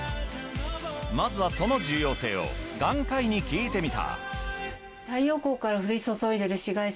まずはその重要性を眼科医に聞いてみた。